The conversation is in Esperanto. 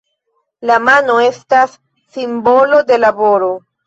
La mano estas simbolo de laboro.